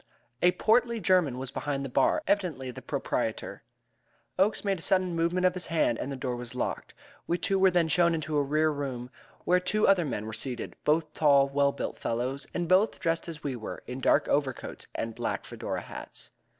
A portly German was behind the bar, evidently the proprietor. Oakes made a sudden movement of his hand, and the door was locked. We two were then shown into a rear room where two other men were seated both tall, well built fellows, and both dressed as we were, in dark overcoats and black Fedora hats.